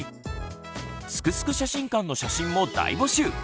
「すくすく写真館」の写真も大募集！